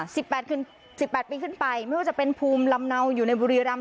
แปดคืนสิบแปดปีขึ้นไปไม่ว่าจะเป็นภูมิลำเนาอยู่ในบุรีรำ